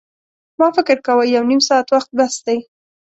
ما فکر کاوه یو نیم ساعت وخت بس دی.